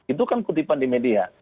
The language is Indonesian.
itu kan kutipan di media